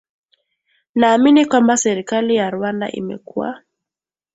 naamini kwamba serikali ya rwanda imekuwa